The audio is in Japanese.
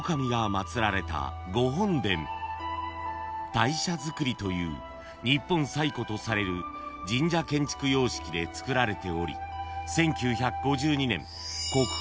［大社造という日本最古とされる神社建築様式で造られており］